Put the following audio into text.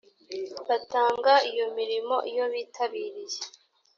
batanga iyo mirimo iyo bitabiriye